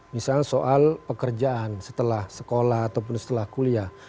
misalnya soal pekerjaan setelah sekolah ataupun setelah kuliah